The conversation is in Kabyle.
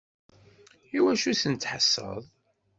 Iwacu i sent-tḥesseḍ?